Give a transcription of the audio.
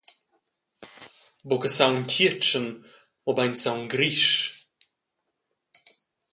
Buca saung tgietschen, mobein saung grisch.